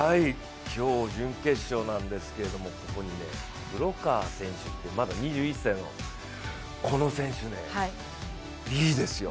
今日、準決勝なんですけれども、ここに黒川選手ってまだ２１歳の、この選手いいですよ。